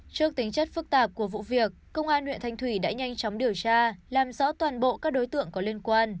trước tính chất phức tạp của vụ việc công an huyện thanh thủy đã nhanh chóng điều tra làm rõ toàn bộ các đối tượng có liên quan